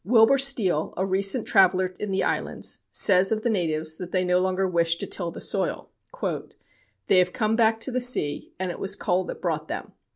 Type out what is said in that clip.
Wilbur Steele, a recent traveler in the islands, says of the natives that they no longer wish to till the soil. "They have come back to the sea, and it was coal that brought them.